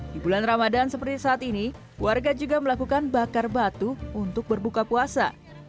di bulan ramadan seperti saat ini warga juga melakukan bakar batu untuk berbuka puasa